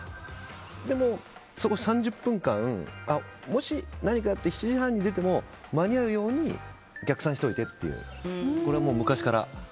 でもその３０分間もし何かあって７時半に出ても間に合うように逆算しておいてっていうこれは昔から。